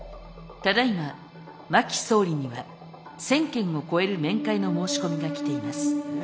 ただいま真木総理には１，０００件を超える面会の申し込みが来ています。